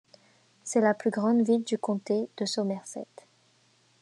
C'est la plus grande ville du comté de Somerset.